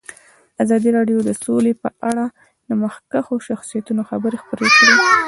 ازادي راډیو د سوله په اړه د مخکښو شخصیتونو خبرې خپرې کړي.